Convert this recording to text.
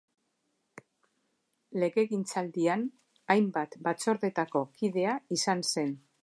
Legegintzaldian hainbat batzordeetako kidea izan zen.